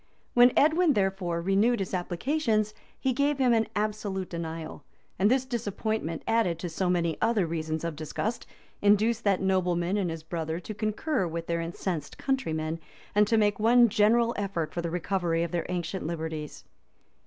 When Edwin, therefore, renewed his applications, he gave him an absolute denial;[*] and this disappointment, added to so many other reasons of disgust, induced that nobleman and his brother to concur with their incensed countrymen, and to make one general effort for the recovery of their ancient liberties.